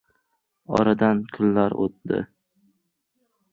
Oradan kunlar oʻtdi.